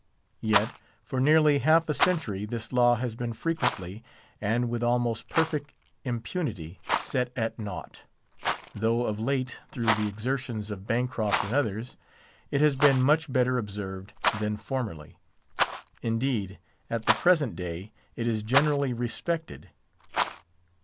Yet, for nearly half a century, this law has been frequently, and with almost perfect impunity, set at naught: though of late, through the exertions of Bancroft and others, it has been much better observed than formerly; indeed, at the present day, it is generally respected.